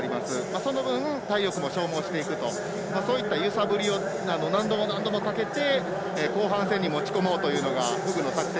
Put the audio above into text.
その分体力も消耗していくという揺さぶりを何度も何度もかけて後半戦に持ち込もうというのがフグの作戦。